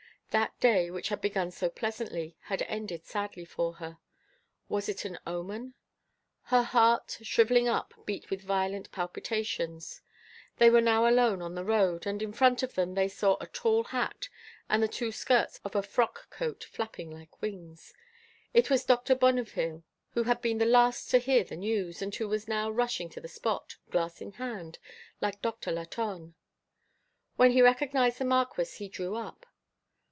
That day, which had begun so pleasantly, had ended sadly for her. Was it an omen? Her heart, shriveling up, beat with violent palpitations. They were now alone on the road, and in front of them they saw a tall hat and the two skirts of a frock coat flapping like wings. It was Doctor Bonnefille, who had been the last to hear the news, and who was now rushing to the spot, glass in hand, like Doctor Latonne. When he recognized the Marquis, he drew up.